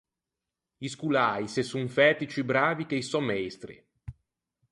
I scoläi se son fæti ciù bravi che i sò meistri.